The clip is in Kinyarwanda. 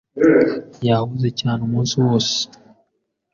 Yahuze cyane umunsi wose.